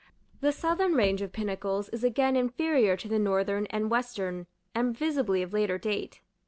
The southern range of pinnacles is again inferior to the northern and western, and visibly of later date.